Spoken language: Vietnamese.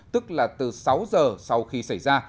tức là từ sáu giờ sau khi xảy ra